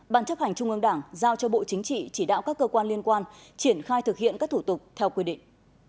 bàn chấp hành trung ương đảng giao cho bộ chính trị chỉ đạo các cơ quan liên quan triển khai thực hiện các thủ tục theo quy định